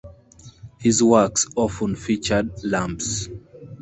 His works often featured lambs.